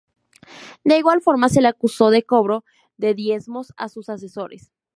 De igual forma se la acusó de cobro de "diezmos" a sus asesores.